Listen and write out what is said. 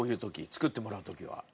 作ってもらう時は。